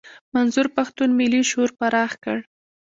منظور پښتون ملي شعور پراخ کړ.